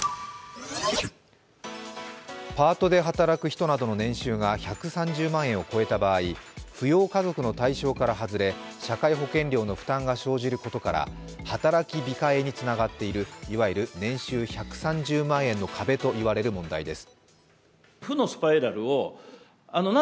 パートで働く人などの年収が１３０万円を超えた場合、扶養家族の対象から外れ、社会保険料の負担が生じることから働き控えにつながっている、いわゆる年収１３０万円の壁といわれる問題です。